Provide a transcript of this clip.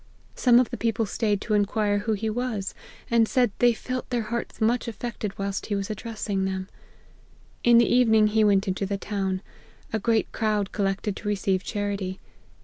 Some of the people staid to inquire who he was, and said they felt their hearts much affected whilst he was addressing them. In the evening he went into the town. A great crowd collected to receive charity.